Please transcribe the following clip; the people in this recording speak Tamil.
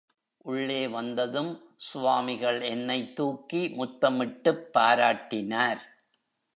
உள்ளே வந்ததும் சுவாமிகள் என்னைத் தூக்கி முத்தமிட்டுப் பாராட்டினார்.